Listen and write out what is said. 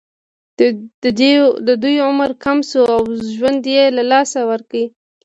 د دوی عمر کم شو او ژوند یې له لاسه ورکړ.